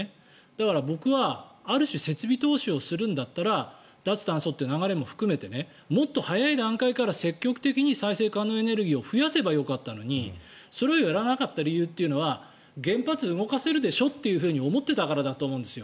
だから僕は、ある種設備投資をするんだったら脱炭素って流れも含めてもっと早い段階から積極的に再生可能エネルギーを増やせばよかったのにそれをやらなかった理由というのは原発動かせるでしょというふうに思っていたからだと思うんです。